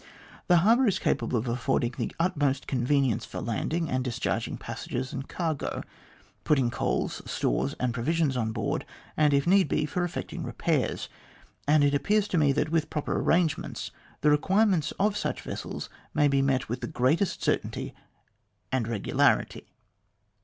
The harbour is capable of affording the utmost convenience for landing and discharging passengers and cargo, putting coals, stores, and provisions on board, and, if need be, for effecting repairs ; and it appears to me that, with proper arrangements, the requirements of such vessels may be met with the greatest certainty and regularity."